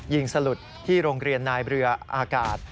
สลุดที่โรงเรียนนายเรืออากาศ